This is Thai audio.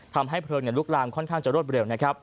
ทำให้เพลิงลุกลางค่อนข้างจะรวดเร็ว